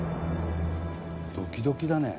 「ドキドキだね」